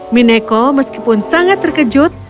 mineko meskipun sangat terkejut